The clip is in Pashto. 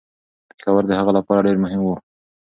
پېښور د هغه لپاره ډیر مهم و.